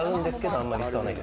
あんまり使わない。